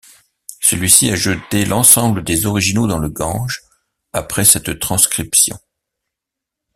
Celui-ci a jeté l'ensemble des originaux dans le Gange après cette transcription.